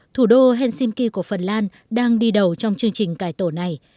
thủ đô helsinki của phần lan đang đi đầu trong chương trình cải tổ này